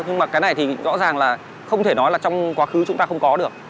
nhưng mà cái này thì rõ ràng là không thể nói là trong quá khứ chúng ta không có được